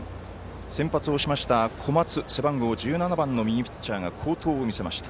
先発をしました小松、背番号１７番の右ピッチャーが好投を見せました。